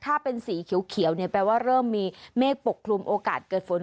ถ้าเป็นสีเขียวเนี่ยแปลว่าเริ่มมีเมฆปกคลุมโอกาสเกิดฝน